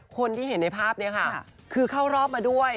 คนที่เห็นในภาพนี้ค่ะคือเข้ารอบมาด้วย